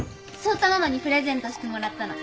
蒼太ママにプレゼントしてもらったの。